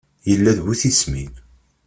Yella d bu tismin